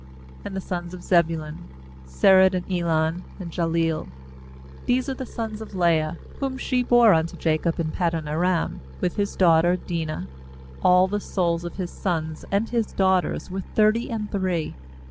14And the sons of Zebulun : Sered, and Elon, and Jahleel. 16These are the sons of Leah, whom she bore unto Jacob in Paddan aram, with his daughter Dinah; all the souls of his sons .and his daughters were thirty and three.